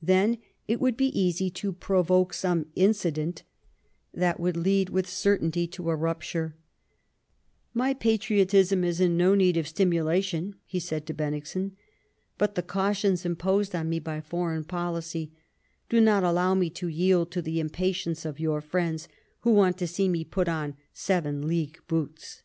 Then it would be easy to provide some incident that would lead with certainty to a rupture, " My patriotism is in no need of stimulation," he said to Bennigsen ; "but the cautions imposed on me by foreign policy do not allow me to yield to the impatience of your friends who want to see me put on seven league boots."